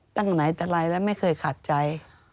ตั้งไหนแต่ไรแล้วไม่เคยขาดใจ